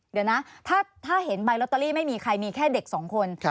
เดี๋ยวนะถ้าเห็นใบลอตเตอรี่ไม่มีใครมีแค่เด็กสองคน